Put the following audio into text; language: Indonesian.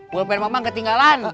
pulpen mama ketinggalan